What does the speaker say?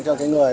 cho cái người